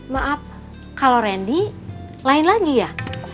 maaf kalau randy lain lagi ya